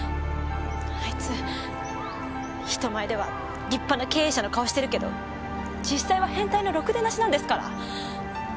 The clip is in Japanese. あいつ人前では立派な経営者の顔してるけど実際は変態のろくでなしなんですから！